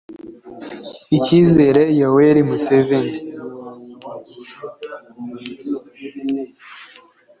icyizere yoweri museveni,